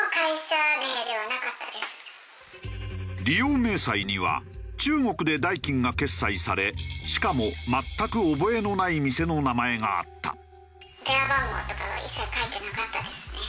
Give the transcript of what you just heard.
利用明細には中国で代金が決済されしかも全く覚えのない店の名前があった。